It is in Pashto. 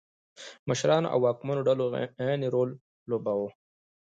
مشرانو او واکمنو ډلو عین رول لوباوه.